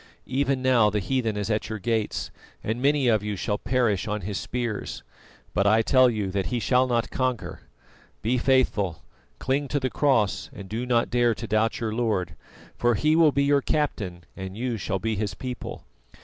Even now the heathen is at your gates, and many of you shall perish on his spears, but I tell you that he shall not conquer. Be faithful, cling to the Cross, and do not dare to doubt your Lord, for He will be your Captain and you shall be His people.